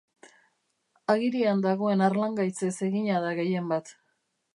Agirian dagoen harlangaitzez egina da gehienbat.